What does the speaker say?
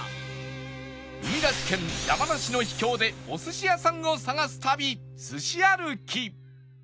海なし県山梨の秘境でお寿司屋さんを探す旅すし歩き